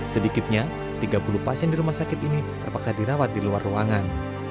sedikitnya tiga puluh pasien di rumah sakit ini terpaksa dirawat di luar ruangan